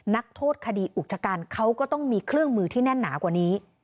นักโทษคดีอุกชการเขาก็ต้องมีเครื่องมือที่แน่นหนากว่านี้